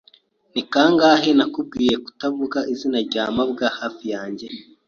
Ni kangahe nakubwiye kutavuga izina rya mabwa hafi yanjye?